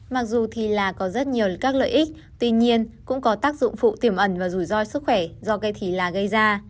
mặc dù thì là có rất nhiều các lợi ích tuy nhiên cũng có tác dụng phụ tiềm ẩn và rủi ro sức khỏe do cây thịt lạ gây ra